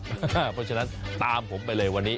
เพราะฉะนั้นตามผมไปเลยวันนี้